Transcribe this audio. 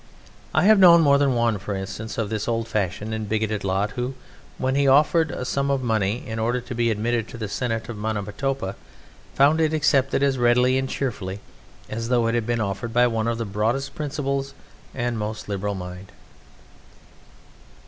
I have known more than one, for instance, of this old fashioned and bigoted lot who, when he offered a sum of money in order to be admitted to the Senate of Monomotapa, found it accepted as readily and cheerfully as though it had been offered by one of the broadest principles and most liberal mind.